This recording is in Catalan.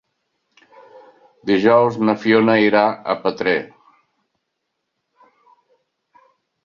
Dijous na Fiona irà a Petrer.